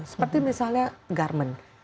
seperti misalnya garmen